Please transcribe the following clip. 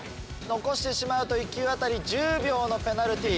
残してしまうと１球あたり１０秒のペナルティー。